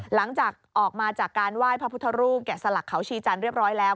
หลังจากออกมาจากการไหว้พระพุทธรูปแกะสลักเขาชีจันทร์เรียบร้อยแล้ว